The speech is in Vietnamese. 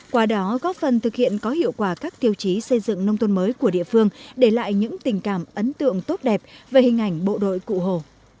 qua đó góp phần thực hiện có hiệu quả các tiêu chí xây dựng nông thôn mới của địa phương để lại những tình cảm ấn tượng tốt đẹp về hình ảnh bộ đội cụ hồ